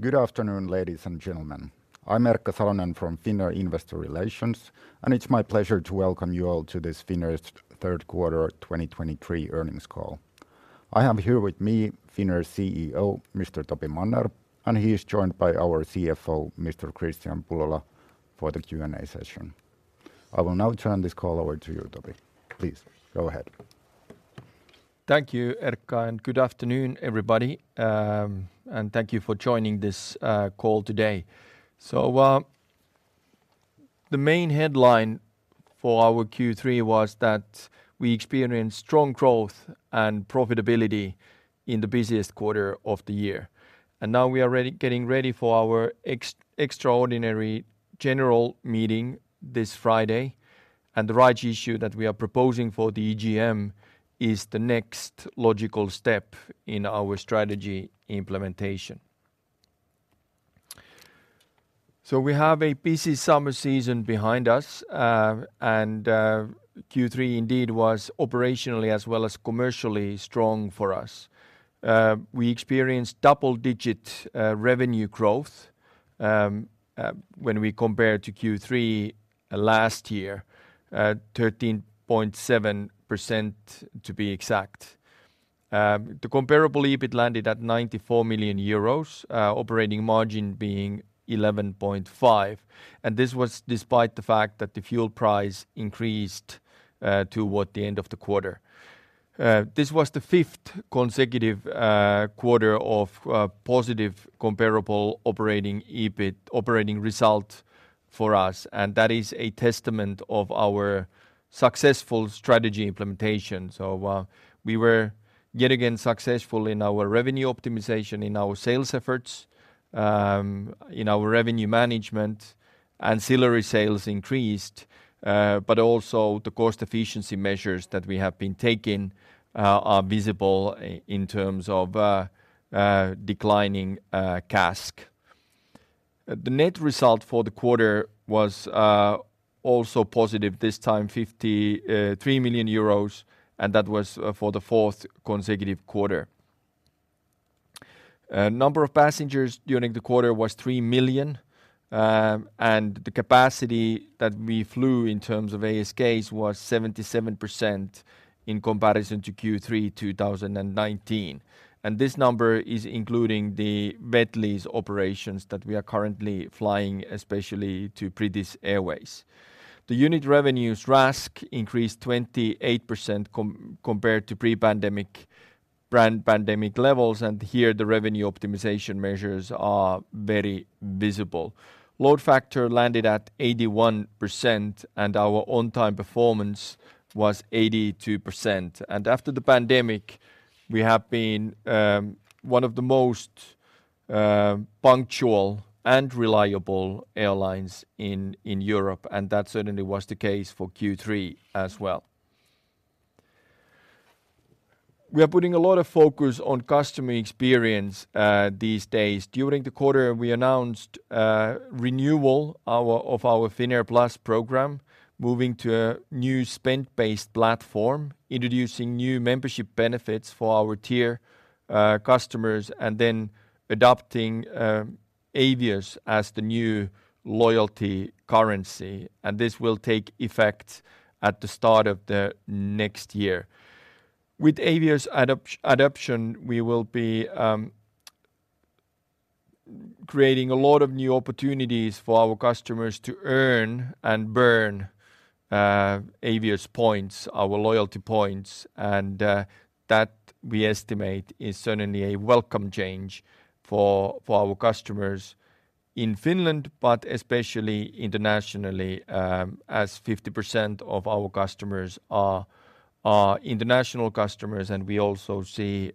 Good afternoon, ladies and gentlemen. I'm Erkka Salonen from Finnair Investor Relations, and it's my pleasure to welcome you all to this Finnair's third quarter 2023 earnings call. I have here with me Finnair's CEO, Mr. Topi Manner, and he is joined by our CFO, Mr. Kristian Pullola, for the Q&A session. I will now turn this call over to you, Topi. Please, go ahead. Thank you, Erkka, and good afternoon, everybody. And thank you for joining this call today. So, the main headline for our Q3 was that we experienced strong growth and profitability in the busiest quarter of the year. And now we are getting ready for our extraordinary general meeting this Friday, and the rights issue that we are proposing for the EGM is the next logical step in our strategy implementation. So we have a busy summer season behind us, and Q3 indeed was operationally as well as commercially strong for us. We experienced double-digit revenue growth when we compare to Q3 last year, 13.7%, to be exact. The comparable EBIT landed at 94 million euros, operating margin being 11.5%, and this was despite the fact that the fuel price increased toward the end of the quarter. This was the fifth consecutive quarter of positive comparable operating result for us, and that is a testament of our successful strategy implementation. We were yet again successful in our revenue optimization, in our sales efforts, in our revenue management. Ancillary sales increased, but also the cost efficiency measures that we have been taking are visible in terms of declining CASK. The net result for the quarter was also positive, this time 53 million euros, and that was for the fourth consecutive quarter. Number of passengers during the quarter was 3 million, and the capacity that we flew in terms of ASK was 77% in comparison to Q3 2019. And this number is including the wet lease operations that we are currently flying, especially to British Airways. The unit revenues RASK increased 28% compared to pre-pandemic, pre-pandemic levels, and here the revenue optimization measures are very visible. Load factor landed at 81%, and our on-time performance was 82%. And after the pandemic, we have been one of the most punctual and reliable airlines in Europe, and that certainly was the case for Q3 as well. We are putting a lot of focus on customer experience these days. During the quarter, we announced renewal of our Finnair Plus program, moving to a new spend-based platform, introducing new membership benefits for our tier customers, and then adopting Avios as the new loyalty currency. This will take effect at the start of the next year. With Avios adoption, we will be creating a lot of new opportunities for our customers to earn and burn Avios points, our loyalty points. That we estimate is certainly a welcome change for our customers in Finland, but especially internationally, as 50% of our customers are international customers, and we also see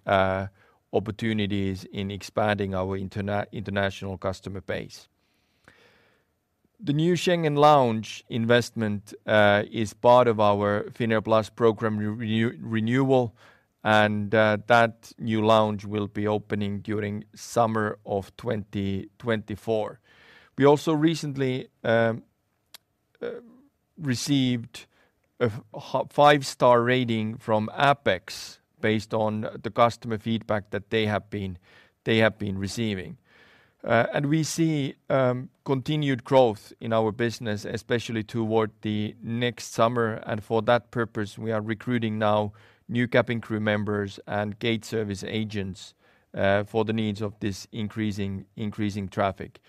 opportunities in expanding our international customer base. The new Schengen Lounge investment is part of our Finnair Plus program renewal, and that new lounge will be opening during summer of 2024. We also recently received a five-star rating from APEX, based on the customer feedback that they have been, they have been receiving. We see continued growth in our business, especially toward the next summer, and for that purpose, we are recruiting now new cabin crew members and gate service agents, for the needs of this increasing, increasing traffic.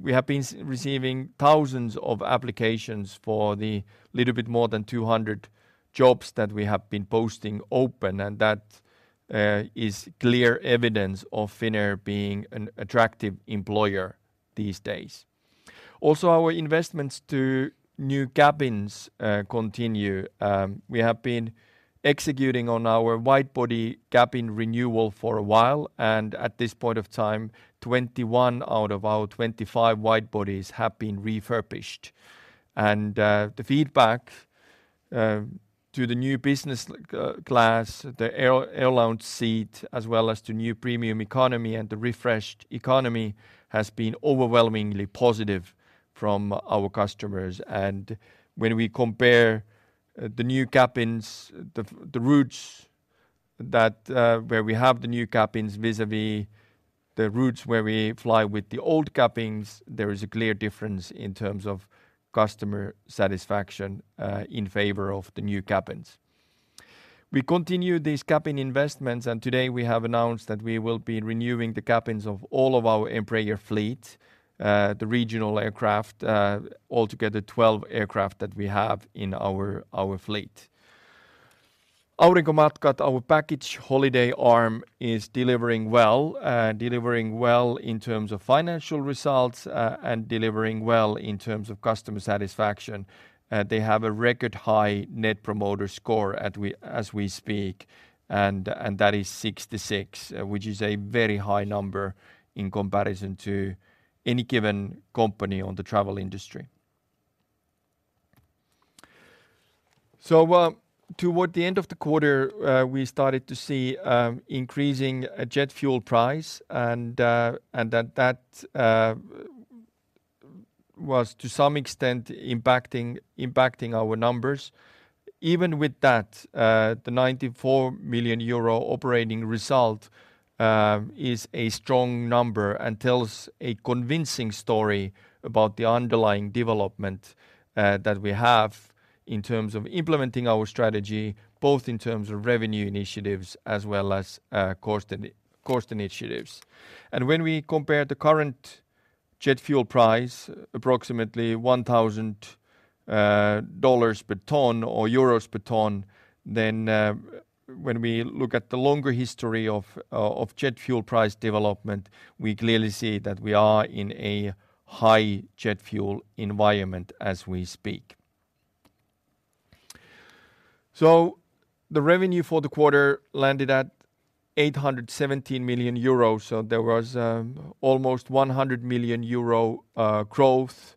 We have been receiving thousands of applications for the little bit more than 200 jobs that we have been posting open, and that is clear evidence of Finnair being an attractive employer these days. Also, our investments to new cabins continue. We have been executing on our wide-body cabin renewal for a while, and at this point of time, 21 out of our 25 wide bodies have been refurbished. The feedback to the new Business Class, the AirLounge seat, as well as the new Premium Economy and the refreshed Economy, has been overwhelmingly positive from our customers. When we compare the new cabins, the routes where we have the new cabins vis-a-vis the routes where we fly with the old cabins, there is a clear difference in terms of customer satisfaction in favor of the new cabins. We continue these cabin investments, and today we have announced that we will be renewing the cabins of all of our Embraer fleet, the regional aircraft, altogether 12 aircraft that we have in our fleet. Aurinkomatkat, our package holiday arm, is delivering well. Delivering well in terms of financial results, and delivering well in terms of customer satisfaction. They have a record high Net Promoter Score as we speak, and that is 66, which is a very high number in comparison to any given company on the travel industry. So, toward the end of the quarter, we started to see increasing jet fuel price and that was to some extent impacting our numbers. Even with that, the 94 million euro operating result is a strong number and tells a convincing story about the underlying development that we have in terms of implementing our strategy, both in terms of revenue initiatives as well as cost initiatives. When we compare the current jet fuel price, approximately $1,000 per ton or EUR 1,000 per ton, then when we look at the longer history of jet fuel price development, we clearly see that we are in a high jet fuel environment as we speak. The revenue for the quarter landed at 817 million euros, so there was almost 100 million euro growth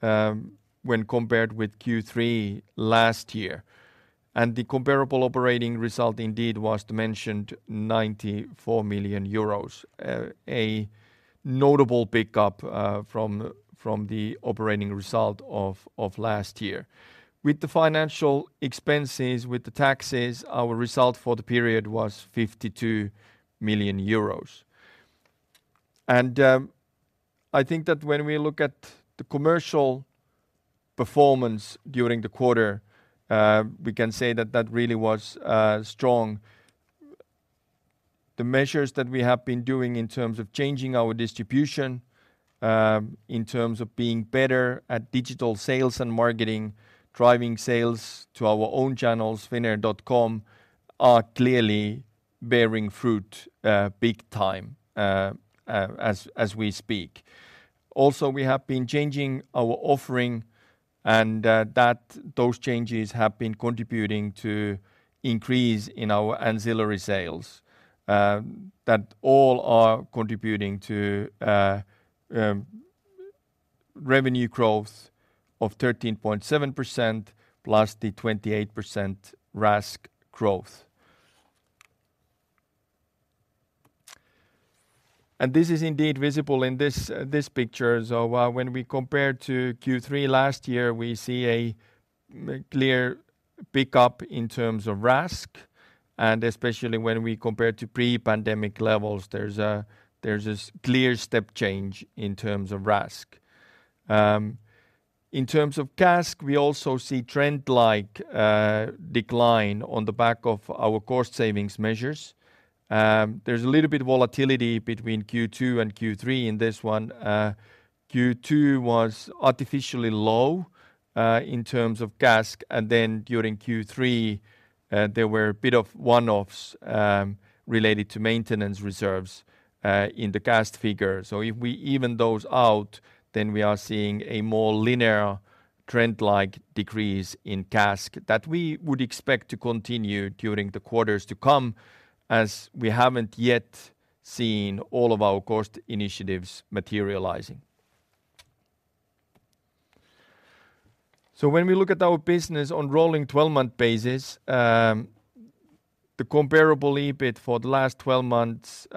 when compared with Q3 last year. The comparable operating result indeed was the mentioned 94 million euros, a notable pickup from the operating result of last year. With the financial expenses, with the taxes, our result for the period was 52 million euros. I think that when we look at the commercial performance during the quarter, we can say that that really was strong. The measures that we have been doing in terms of changing our distribution, in terms of being better at digital sales and marketing, driving sales to our own channels, Finnair.com, are clearly bearing fruit, big time, as we speak. Also, we have been changing our offering and, those changes have been contributing to increase in our ancillary sales. That all are contributing to revenue growth of 13.7%, plus the 28% RASK growth. And this is indeed visible in this picture. So, when we compare to Q3 last year, we see a clear pickup in terms of RASK, and especially when we compare to pre-pandemic levels, there's this clear step change in terms of RASK. In terms of CASK, we also see trend-like decline on the back of our cost savings measures. There's a little bit of volatility between Q2 and Q3 in this one. Q2 was artificially low in terms of CASK, and then during Q3, there were a bit of one-offs related to maintenance reserves in the CASK figure. So if we even those out, then we are seeing a more linear trend-like decrease in CASK that we would expect to continue during the quarters to come, as we haven't yet seen all of our cost initiatives materializing. So when we look at our business on rolling 12-month basis, the comparable EBIT for the last 12 months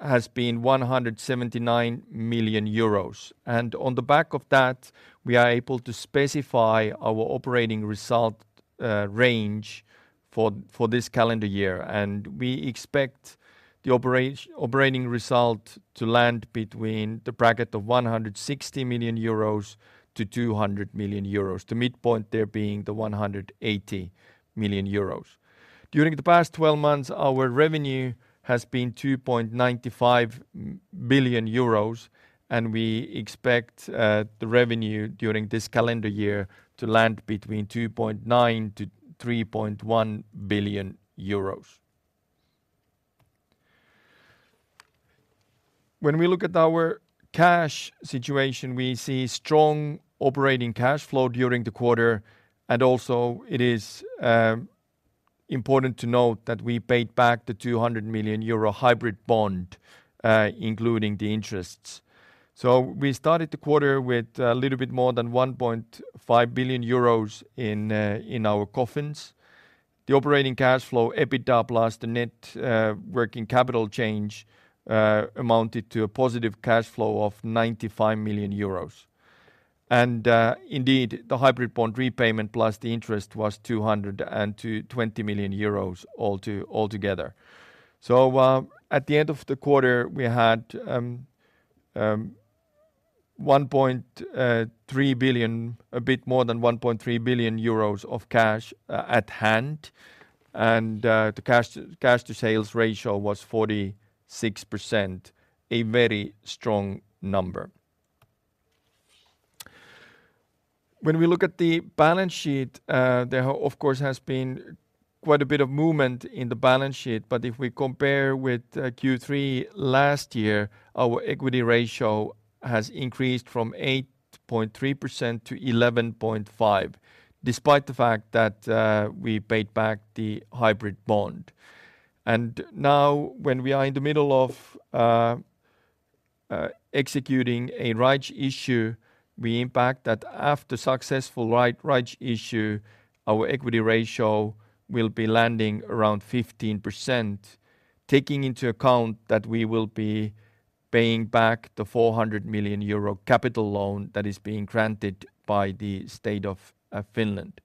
has been 179 million euros. On the back of that, we are able to specify our operating result range for this calendar year. We expect the operating result to land between the bracket of 160 million-200 million euros, the midpoint there being the 180 million euros. During the past 12 months, our revenue has been 2.95 billion euros, and we expect the revenue during this calendar year to land between 2.9 billion-3.1 billion euros. When we look at our cash situation, we see strong operating cash flow during the quarter, and also it is important to note that we paid back the 200 million euro hybrid bond, including the interests. So we started the quarter with a little bit more than 1.5 billion euros in our coffers. The operating cash flow, EBITDA plus the net working capital change, amounted to a positive cash flow of 95 million euros. Indeed, the hybrid bond repayment plus the interest was 220 million euros altogether. So at the end of the quarter, we had 1.3 billion, a bit more than 1.3 billion euros of cash at hand. And the cash to sales ratio was 46%, a very strong number. When we look at the balance sheet, there, of course, has been quite a bit of movement in the balance sheet, but if we compare with Q3 last year, our equity ratio has increased from 8.3% to 11.5%, despite the fact that we paid back the hybrid bond. And now, when we are in the middle of executing a rights issue, we impact that after successful rights issue, our equity ratio will be landing around 15%, taking into account that we will be paying back the 400 million euro capital loan that is being granted by the State of Finland.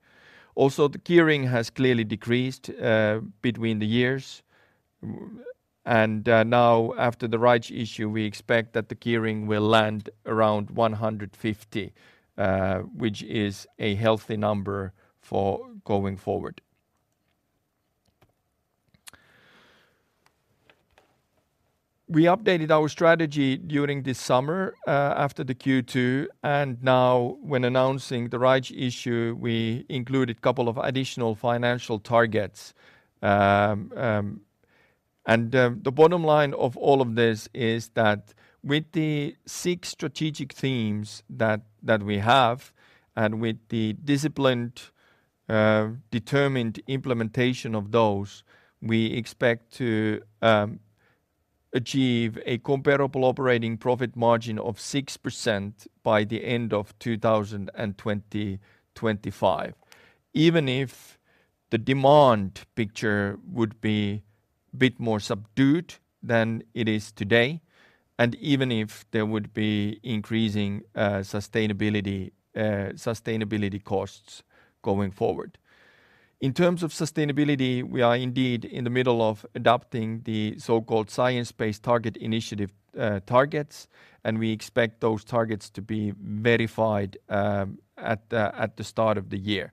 Also, the gearing has clearly decreased between the years. Now, after the rights issue, we expect that the gearing will land around 150, which is a healthy number for going forward. We updated our strategy during the summer, after the Q2, and now when announcing the rights issue, we included couple of additional financial targets. The bottom line of all of this is that with the six strategic themes that, that we have, and with the disciplined, determined implementation of those, we expect to achieve a comparable operating profit margin of 6% by the end of 2025, even if the demand picture would be bit more subdued than it is today, and even if there would be increasing, sustainability costs going forward. In terms of sustainability, we are indeed in the middle of adopting the so-called Science Based Targets initiative, and we expect those targets to be verified at the start of the year.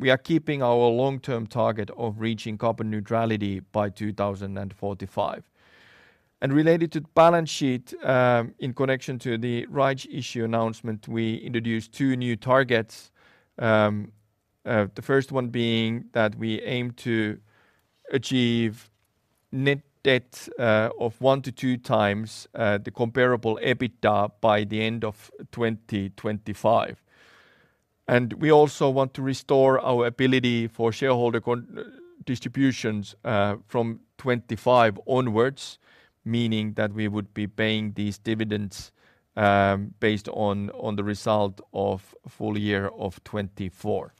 We are keeping our long-term target of reaching carbon neutrality by 2045. Related to balance sheet, in connection to the rights issue announcement, we introduced two new targets. The first one being that we aim to achieve net debt of 1-2x the comparable EBITDA by the end of 2025. We also want to restore our ability for shareholder distributions from 2025 onwards, meaning that we would be paying these dividends based on the result of full year of 2024.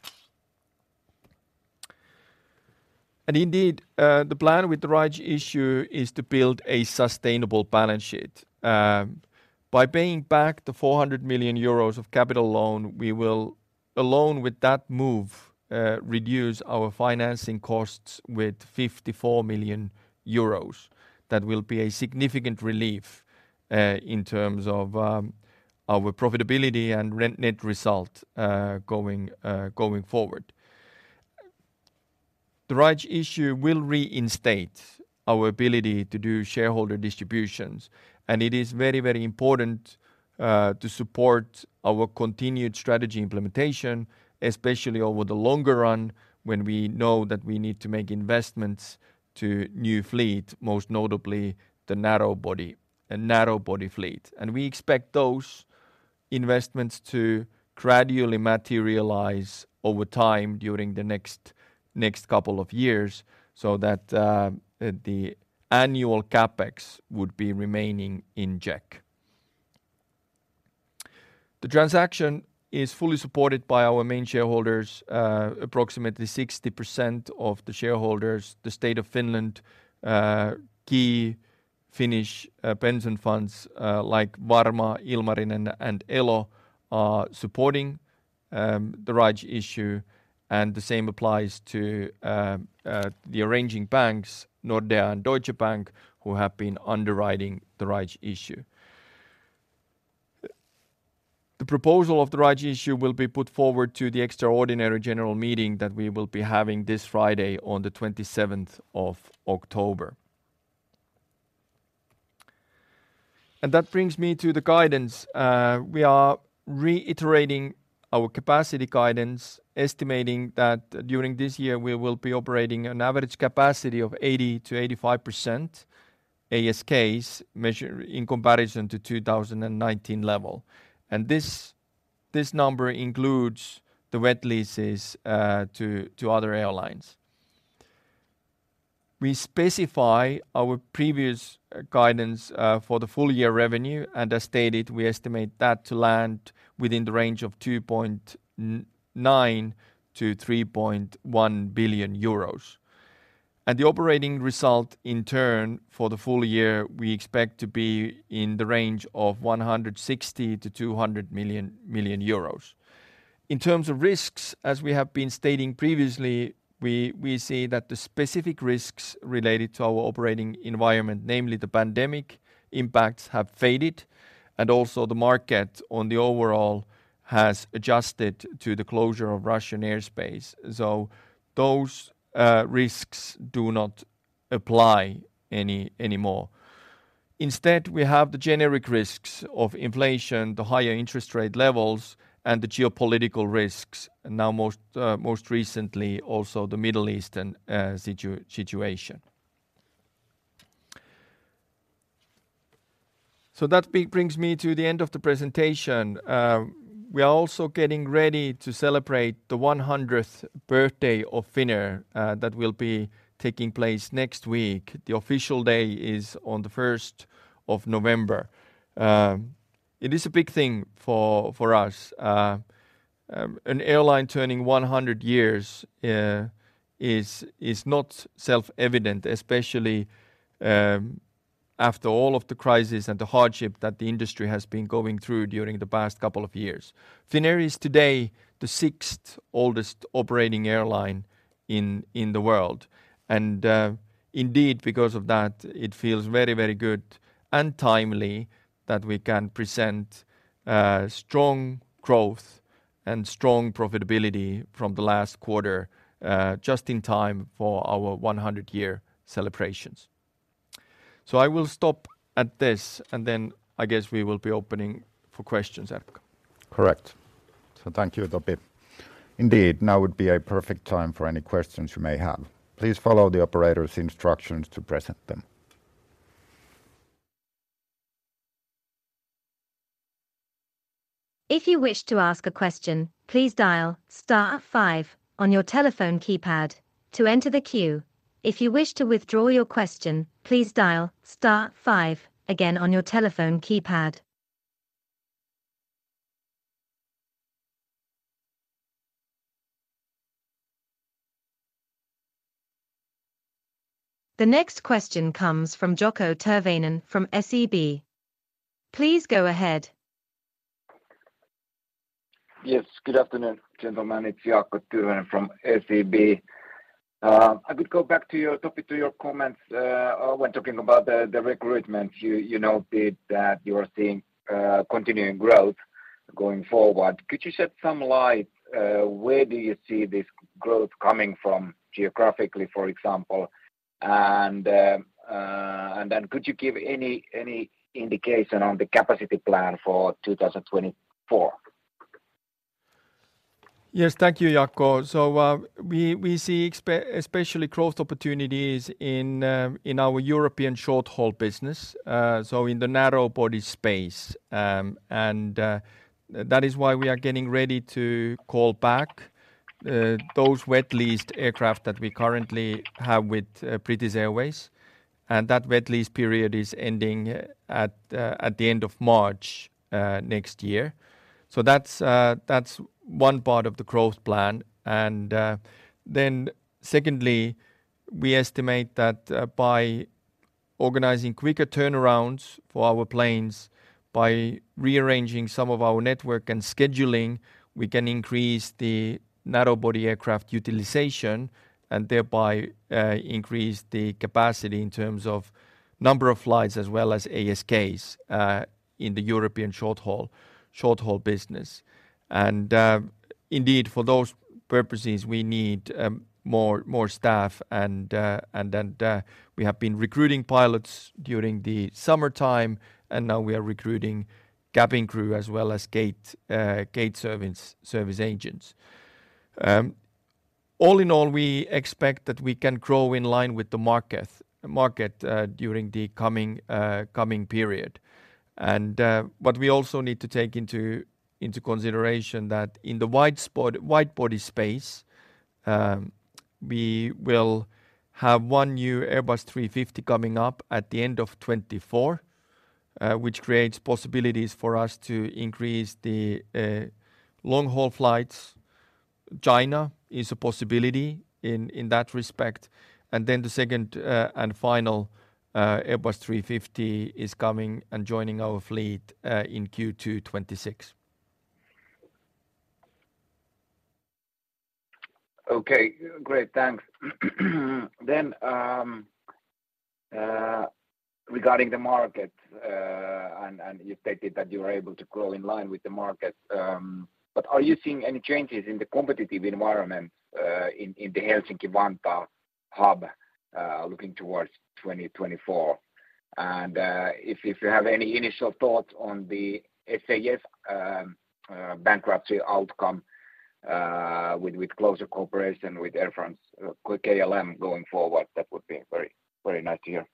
Indeed, the plan with the rights issue is to build a sustainable balance sheet. By paying back the 400 million euros of capital loan, we will, alone with that move, reduce our financing costs with 54 million euros. That will be a significant relief in terms of our profitability and net result going forward. The rights issue will reinstate our ability to do shareholder distributions, and it is very, very important to support our continued strategy implementation, especially over the longer run, when we know that we need to make investments to new fleet, most notably the narrow body, a narrow body fleet. And we expect those investments to gradually materialize over time during the next, next couple of years, so that the annual CapEx would be remaining in check. The transaction is fully supported by our main shareholders, approximately 60% of the shareholders, the State of Finland, key Finnish pension funds, like Varma, Ilmarinen, and Elo, are supporting the rights issue, and the same applies to the arranging banks, Nordea and Deutsche Bank, who have been underwriting the rights issue. The proposal of the rights issue will be put forward to the extraordinary general meeting that we will be having this Friday on the twenty-seventh of October. And that brings me to the guidance. We are reiterating our capacity guidance, estimating that during this year, we will be operating an average capacity of 80%-85% ASKs, measured in comparison to 2019 level. And this, this number includes the wet leases to other airlines. We specify our previous guidance for the full year revenue, and as stated, we estimate that to land within the range of 2.9 billion-3.1 billion euros. The operating result, in turn, for the full year, we expect to be in the range of 160 million-200 million euros. In terms of risks, as we have been stating previously, we see that the specific risks related to our operating environment, namely the pandemic impacts, have faded, and also the market on the overall has adjusted to the closure of Russian airspace. So those risks do not apply anymore. Instead, we have the generic risks of inflation, the higher interest rate levels, and the geopolitical risks, and now most recently, also the Middle Eastern situation. So that brings me to the end of the presentation. We are also getting ready to celebrate the 100th birthday of Finnair, that will be taking place next week. The official day is on the first of November. It is a big thing for us. An airline turning 100 years is not self-evident, especially after all of the crisis and the hardship that the industry has been going through during the past couple of years. Finnair is today the sixth oldest operating airline in the world, and indeed, because of that, it feels very, very good and timely that we can present strong growth and strong profitability from the last quarter, just in time for our 100-year celebrations. So I will stop at this, and then I guess we will be opening for questions, Erkka. Correct. Thank you, Topi. Indeed, now would be a perfect time for any questions you may have. Please follow the operator's instructions to present them. If you wish to ask a question, please dial star five on your telephone keypad to enter the queue. If you wish to withdraw your question, please dial star five again on your telephone keypad. The next question comes from Jaakko Tyrväinen from SEB. Please go ahead. Yes, good afternoon, gentlemen. It's Jaakko Tyrväinen from SEB. I would go back to your, Topi, to your comments when talking about the recruitment. You noted that you are seeing continuing growth going forward. Could you shed some light where do you see this growth coming from geographically, for example? And then could you give any indication on the capacity plan for 2024? Yes. Thank you, Jaakko. So, we see especially growth opportunities in our European short-haul business, so in the narrow body space. And, that is why we are getting ready to call back those wet leased aircraft that we currently have with British Airways, and that wet lease period is ending at the end of March next year. So that's one part of the growth plan. And then secondly, we estimate that by organizing quicker turnarounds for our planes, by rearranging some of our network and scheduling, we can increase the narrow-body aircraft utilization and thereby increase the capacity in terms of number of flights, as well as ASKs, in the European short-haul business. Indeed, for those purposes, we need more staff and then we have been recruiting pilots during the summertime, and now we are recruiting cabin crew as well as gate service agents. All in all, we expect that we can grow in line with the market during the coming period. But we also need to take into consideration that in the wide body space, we will have one new Airbus A350 coming up at the end of 2024, which creates possibilities for us to increase the long-haul flights. China is a possibility in that respect, and then the second and final Airbus A350 is coming and joining our fleet in Q2 2026. Okay, great. Thanks. Then, regarding the market, and you stated that you were able to grow in line with the market, but are you seeing any changes in the competitive environment, in the Helsinki-Vantaa hub, looking towards 2024? And, if you have any initial thoughts on the SAS bankruptcy outcome, with closer cooperation with Air France, with KLM going forward, that would be very, very nice to hear.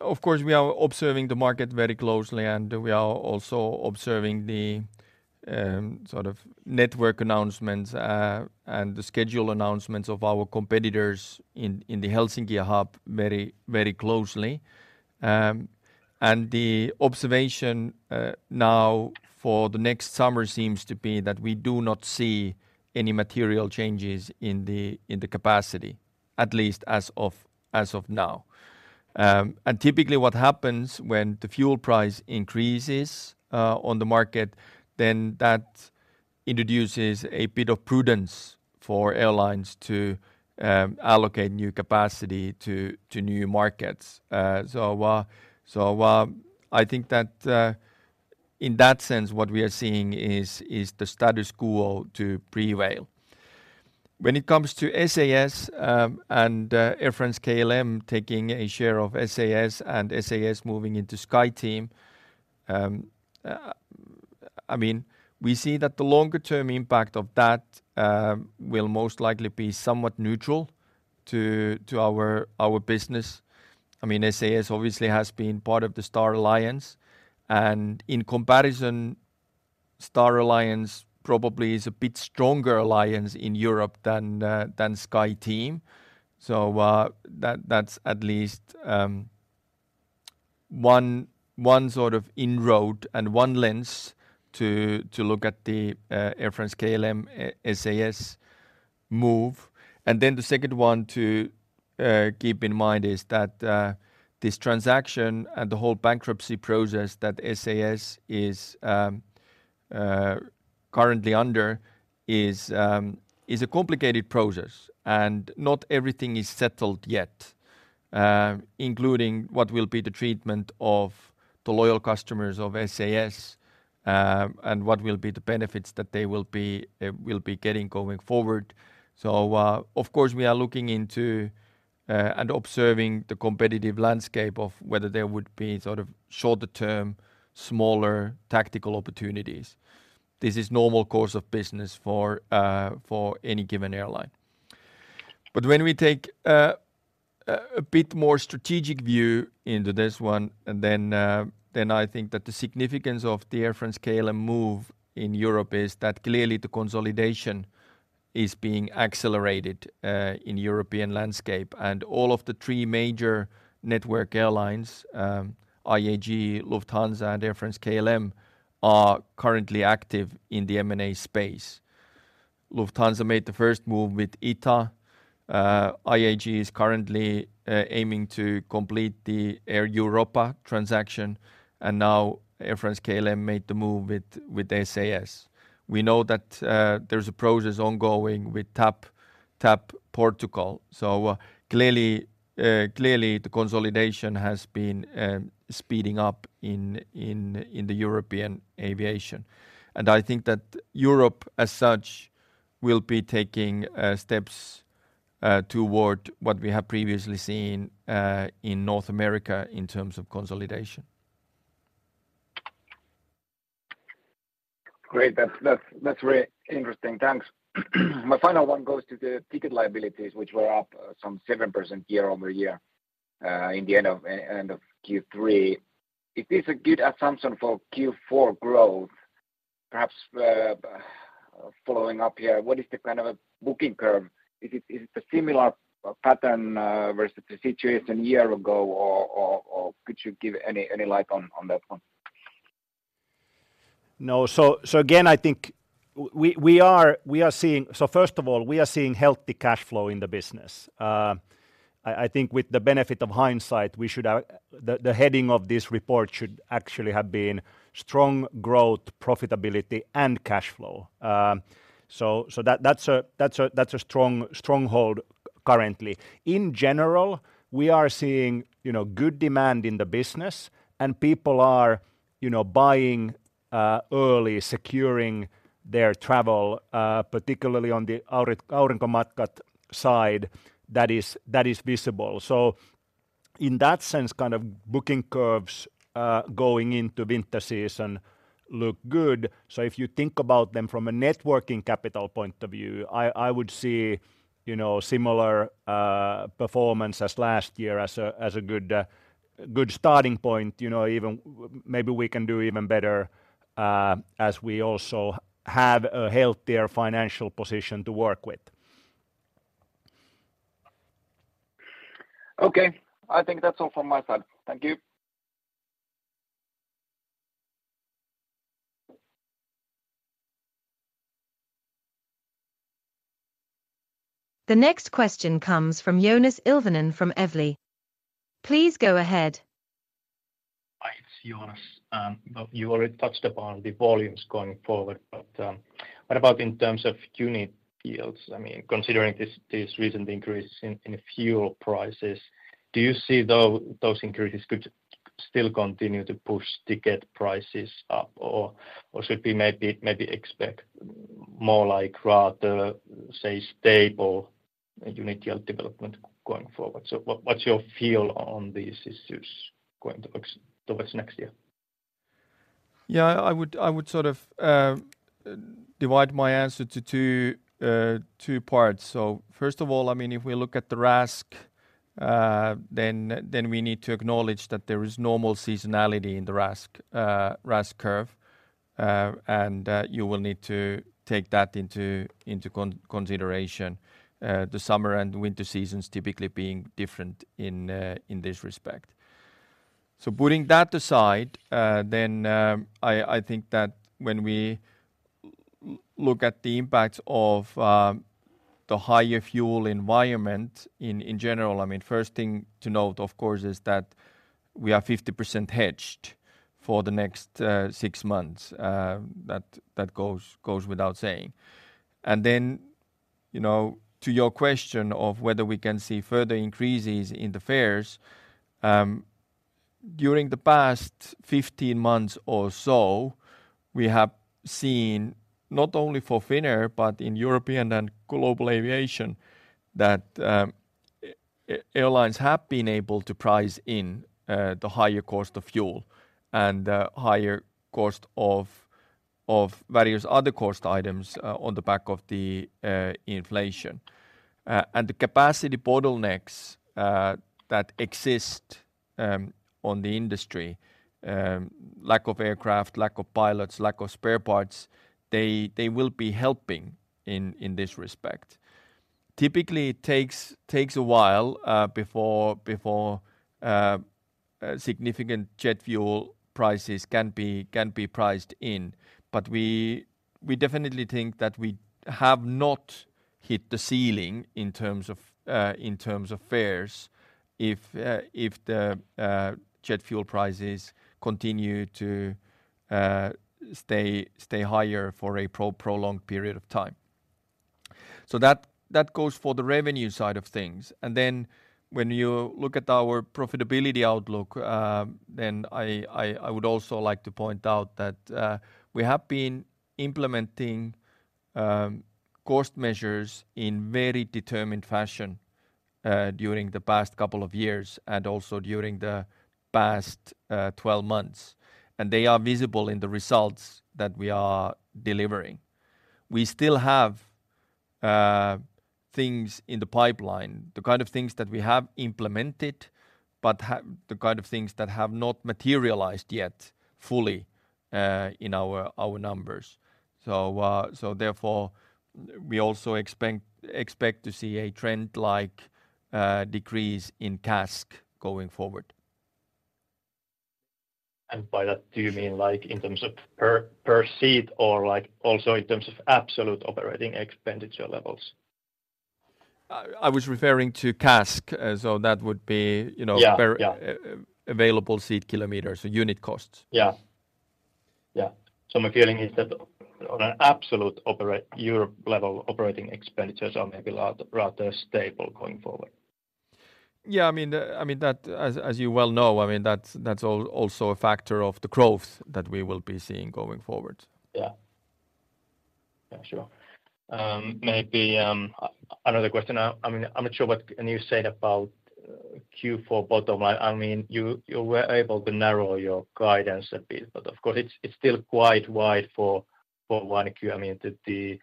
Of course, we are observing the market very closely, and we are also observing the sort of network announcements and the schedule announcements of our competitors in the Helsinki hub very, very closely. The observation now for the next summer seems to be that we do not see any material changes in the capacity, at least as of now. Typically what happens when the fuel price increases on the market, then that introduces a bit of prudence for airlines to allocate new capacity to new markets. I think that in that sense, what we are seeing is the status quo to prevail. When it comes to SAS, and Air France-KLM taking a share of SAS and SAS moving into SkyTeam, I mean, we see that the longer term impact of that will most likely be somewhat neutral to our business. I mean, SAS obviously has been part of the Star Alliance, and in comparison, Star Alliance probably is a bit stronger alliance in Europe than SkyTeam. So, that's at least one sort of inroad and one lens to look at the Air France-KLM, SAS move. And then the second one to keep in mind is that this transaction and the whole bankruptcy process that SAS is currently under is a complicated process, and not everything is settled yet, including what will be the treatment of the loyal customers of SAS, and what will be the benefits that they will be getting going forward. So, of course, we are looking into and observing the competitive landscape of whether there would be sort of shorter term, smaller tactical opportunities. This is normal course of business for any given airline. But when we take a bit more strategic view into this one, then I think that the significance of the Air France-KLM move in Europe is that clearly the consolidation is being accelerated in European landscape. And all of the three major network airlines, IAG, Lufthansa, and Air France-KLM, are currently active in the M&A space. Lufthansa made the first move with ITA. IAG is currently aiming to complete the Air Europa transaction, and now Air France-KLM made the move with, with SAS. We know that, there's a process ongoing with TAP, TAP Portugal. So clearly, clearly, the consolidation has been speeding up in the European aviation. And I think that Europe, as such, will be taking steps toward what we have previously seen in North America in terms of consolidation. Great. That's very interesting. Thanks. My final one goes to the ticket liabilities, which were up some 7% year-over-year in the end of Q3. Is this a good assumption for Q4 growth? Perhaps following up here, what is the kind of a booking curve? Is it a similar pattern versus the situation a year ago or could you give any light on that one? No. So again, I think we are seeing... So first of all, we are seeing healthy cash flow in the business. I think with the benefit of hindsight, the heading of this report should actually have been strong growth, profitability, and cash flow. So that's a strong stronghold currently. In general, we are seeing, you know, good demand in the business, and people are, you know, buying early, securing their travel, particularly on the Aurinkomatkat side. That is visible. So in that sense, kind of booking curves going into winter season look good. So if you think about them from a working capital point of view, I would see, you know, similar performance as last year as a good starting point, you know, even maybe we can do even better, as we also have a healthier financial position to work with. Okay. I think that's all from my side. Thank you. The next question comes from Joonas Ilvonen, from Evli. Please go ahead. Hi, it's Joonas. You already touched upon the volumes going forward, but what about in terms of unit yields? I mean, considering this recent increase in fuel prices, do you see though those increases could still continue to push ticket prices up, or should we maybe expect more like rather, say, stable unit yield development going forward? So what's your feel on these issues going towards next year? Yeah, I would sort of divide my answer to two parts. So first of all, I mean, if we look at the RASK, then we need to acknowledge that there is normal seasonality in the RASK curve, and you will need to take that into consideration, the summer and winter seasons typically being different in this respect. So putting that aside, then I think that when we look at the impact of the higher fuel environment in general, I mean, first thing to note, of course, is that we are 50% hedged for the next six months. That goes without saying. Then, you know, to your question of whether we can see further increases in the fares, during the past 15 months or so, we have seen not only for Finnair but in European and global aviation, that airlines have been able to price in the higher cost of fuel and higher cost of various other cost items, on the back of the inflation. And the capacity bottlenecks that exist in the industry, lack of aircraft, lack of pilots, lack of spare parts, they will be helping in this respect. Typically, it takes a while before significant jet fuel prices can be priced in, but we definitely think that we have not hit the ceiling in terms of fares, if the jet fuel prices continue to stay higher for a prolonged period of time. So that goes for the revenue side of things. And then when you look at our profitability outlook, then I would also like to point out that we have been implementing cost measures in very determined fashion during the past couple of years and also during the past 12 months, and they are visible in the results that we are delivering. We still have things in the pipeline, the kind of things that we have implemented, but the kind of things that have not materialized yet fully, in our numbers. So, so therefore, we also expect to see a trend-like decrease in CASK going forward. By that, do you mean, like, in terms of per seat, or, like, also in terms of absolute operating expenditure levels? I was referring to CASK, so that would be, you know- Yeah. Yeah... per available seat kilometers, so unit costs. Yeah. Yeah. So my feeling is that on an absolute operating Europe level, operating expenditures are maybe rather, rather stable going forward. Yeah. I mean, as you well know, I mean, that's also a factor of the growth that we will be seeing going forward. Yeah. Yeah, sure. Maybe another question. I mean, I'm not sure what, and you said about Q4 bottom line. I mean, you were able to narrow your guidance a bit, but of course, it's still quite wide for one Q. I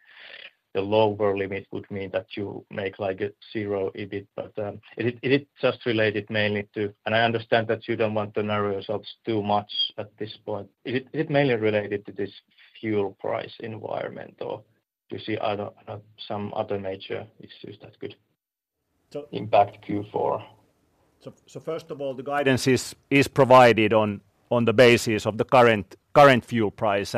mean, the lower limit would mean that you make, like, a zero EBIT, but is it just related mainly to... And I understand that you don't want to narrow results too much at this point. Is it mainly related to this fuel price environment, or do you see other some other major issues that could- So-... impact Q4? So first of all, the guidance is provided on the basis of the current fuel price.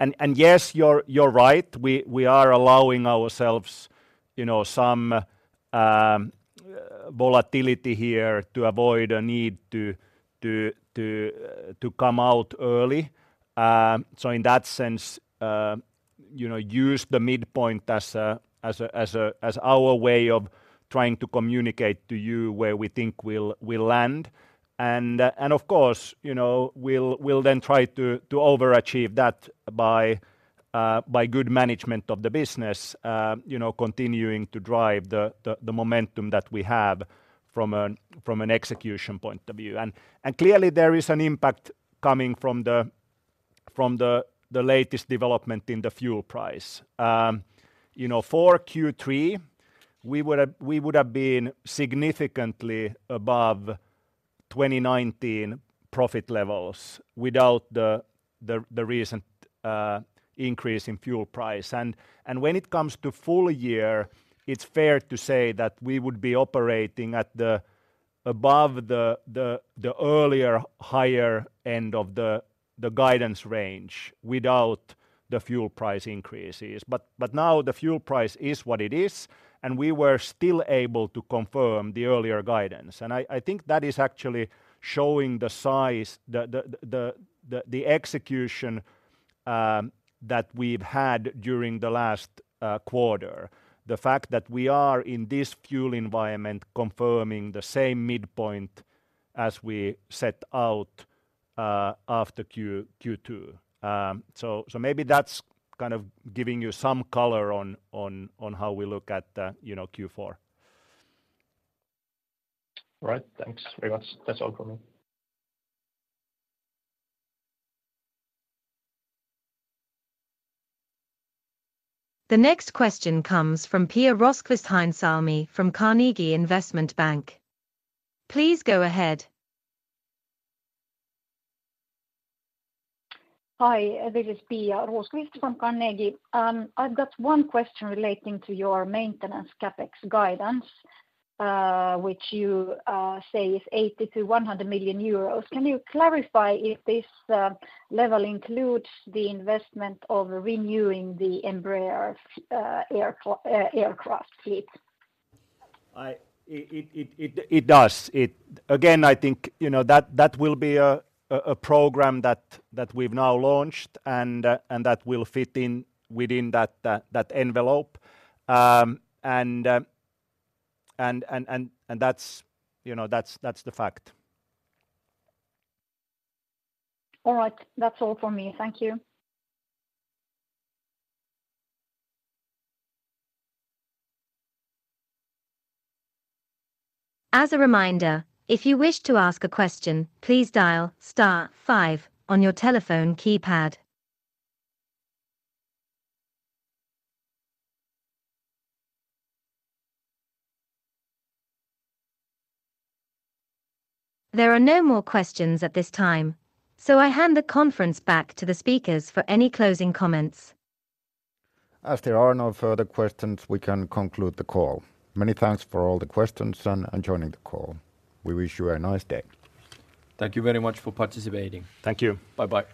And yes, you're right, we are allowing ourselves, you know, some volatility here to avoid a need to come out early. So in that sense, you know, use the midpoint as our way of trying to communicate to you where we think we'll land. And of course, you know, we'll then try to overachieve that by good management of the business, you know, continuing to drive the momentum that we have from an execution point of view. And clearly, there is an impact coming from the latest development in the fuel price. You know, for Q3, we would have, we would have been significantly above 2019 profit levels without the recent increase in fuel price. And when it comes to full year, it's fair to say that we would be operating at above the earlier higher end of the guidance range without the fuel price increases. But now the fuel price is what it is, and we were still able to confirm the earlier guidance. And I think that is actually showing the size, the execution that we've had during the last quarter. The fact that we are in this fuel environment, confirming the same midpoint as we set out after Q2. So maybe that's kind of giving you some color on how we look at the, you know, Q4. All right. Thanks very much. That's all for me. The next question comes from Pia Rosqvist, from Carnegie Investment Bank. Please go ahead. Hi, this is Pia Rosqvist from Carnegie. I've got one question relating to your maintenance CapEx guidance, which you say is 80 million-100 million euros. Can you clarify if this level includes the investment of renewing the Embraer's aircraft fleet? It does. It again, I think, you know, that will be a program that we've now launched and that will fit in within that envelope. And that's, you know, that's the fact. All right. That's all for me. Thank you. As a reminder, if you wish to ask a question, please dial star five on your telephone keypad. There are no more questions at this time, so I hand the conference back to the speakers for any closing comments. As there are no further questions, we can conclude the call. Many thanks for all the questions and joining the call. We wish you a nice day. Thank you very much for participating. Thank you. Bye-bye.